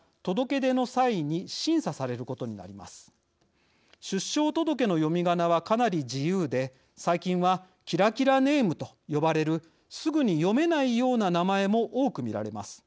出生届の読みがなはかなり自由で最近はキラキラネームと呼ばれるすぐに読めないような名前も多く見られます。